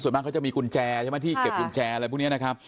ส่วนมากเขาจะมีกุญแจใช่ไหมที่เก็บกุญแจอะไรพวกนี้นะครับ